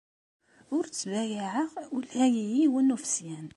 Ur ttbayaɛeɣ ula i yiwen n ufesyan.